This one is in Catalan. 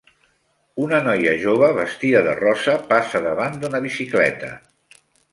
Una noia jove vestida de rosa passa davant d'una bicicleta.